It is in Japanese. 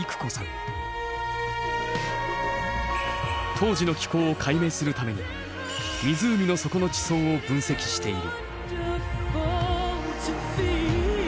当時の気候を解明するために湖の底の地層を分析している。